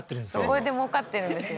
これでもうかってるんですよ